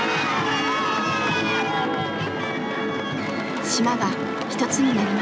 島が一つになりました。